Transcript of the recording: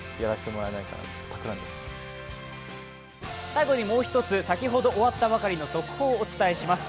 最後にもう一つ、先ほど終わったばかりの速報をお伝えします。